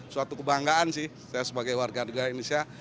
suatu kebanggaan sih saya sebagai warga negara indonesia